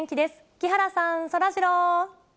木原さん、そらジロー。